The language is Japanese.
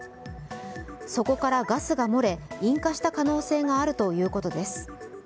そこからガスが漏れ、引火した可能性があるということです。